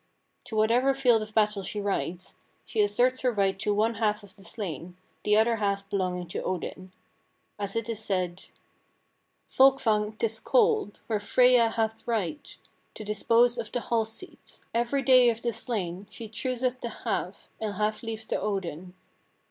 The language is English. To whatever field of battle she rides, she asserts her right to one half of the slain, the other half belonging to Odin. As it is said "'Folkvang 'tis called Where Freyja hath right To dispose of the hall seats Every day of the slain, She chooseth the half, And half leaves to Odin.'